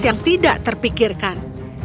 yang tidak terpikirkan